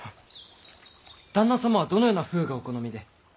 旦那様はどのような風がお好みで。